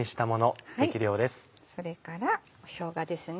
それからしょうがですね。